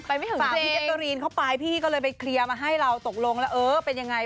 ฝากพี่แจ๊กกะรีนเข้าไปพี่ก็เลยไปเคลียร์มาให้เราตกลงแล้วเออเป็นยังไง